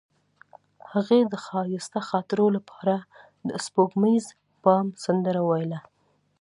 هغې د ښایسته خاطرو لپاره د سپوږمیز بام سندره ویله.